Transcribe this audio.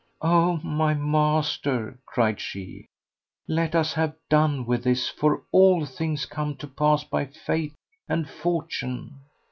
"O my master!" cried she, "let us have done with this, for all things come to pass by Fate and Fortune."